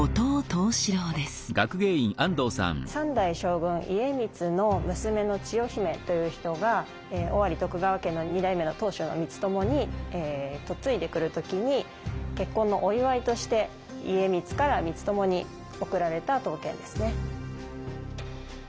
３代将軍家光の娘の千代姫という人が尾張徳川家の２代目の当主の光友に嫁いで来る時に結婚のお祝いとして家光から光友に贈られた刀剣ですね。